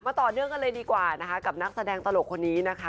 ต่อเนื่องกันเลยดีกว่านะคะกับนักแสดงตลกคนนี้นะคะ